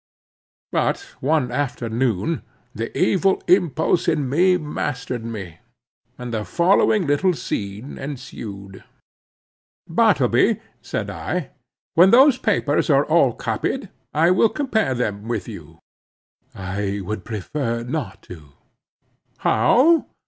But one afternoon the evil impulse in me mastered me, and the following little scene ensued: "Bartleby," said I, "when those papers are all copied, I will compare them with you." "I would prefer not to." "How?